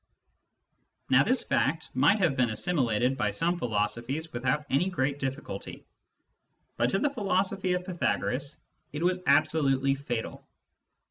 Now this fact might have been assimilated by some philosophies without any great difficulty, but to the philosophy of Pythagoras it was absolutely fatal.